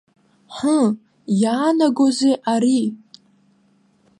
Ҳы, иаанагозеи ари.